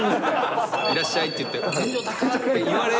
いらっしゃいって言って、天井高っ！